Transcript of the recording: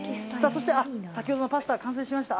そして先ほどのパスタ、完成しました。